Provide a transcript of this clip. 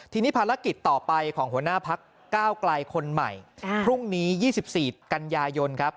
ทีนี้ภารกิจต่อไปของหัวหน้าพักก้าวไกลคนใหม่พรุ่งนี้๒๔กันยายนครับ